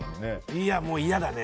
いや、もう嫌だね。